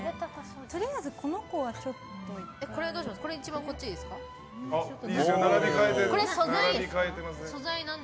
とりあえず、この子はちょっといったん。